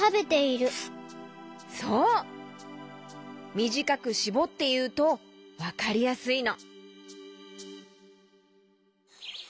みじかくしぼっていうとわかりやすいの。